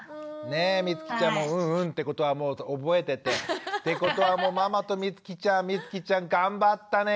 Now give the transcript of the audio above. ねえみつきちゃんもうんうんってことはもう覚えてて。ってことはもうママとみつきちゃんみつきちゃん頑張ったね。